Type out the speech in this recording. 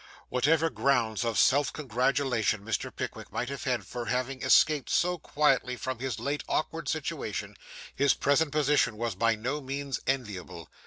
Whatever grounds of self congratulation Mr. Pickwick might have for having escaped so quietly from his late awkward situation, his present position was by no means enviable.